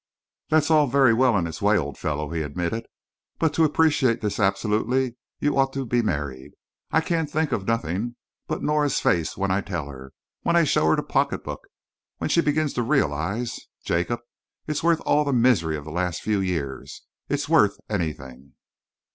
"That's all very well in its way, old fellow," he admitted, "but to appreciate this absolutely you ought to be married. I can think of nothing but Nora's face when I tell her when I show her the pocketbook when she begins to realise! Jacob, it's worth all the misery of the last few years. It's worth anything."